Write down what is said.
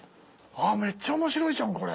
あっめっちゃ面白いじゃんこれ。